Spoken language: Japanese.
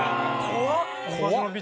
怖っ！